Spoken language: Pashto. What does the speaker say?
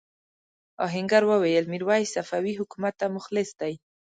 آهنګر وویل میرويس صفوي حکومت ته مخلص دی.